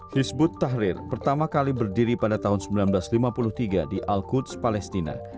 hizbut tahrir pertama kali berdiri pada tahun seribu sembilan ratus lima puluh tiga di al quds palestina